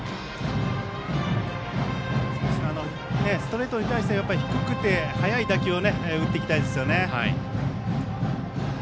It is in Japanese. ストレートに対し、低くて速い打球を打っていきたいですね。